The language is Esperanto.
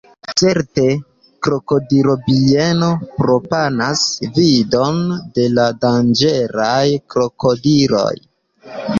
Cetere, krokodilo-bieno proponas vidon de la danĝeraj krokodiloj.